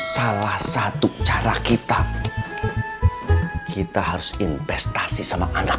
salah satu cara kita kita harus investasi sama anak